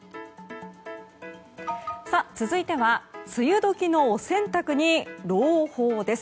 続いては梅雨時のお洗濯に朗報です。